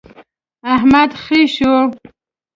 احمد خې شو.